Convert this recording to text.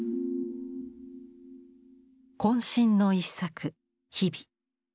渾身の一作「日々」。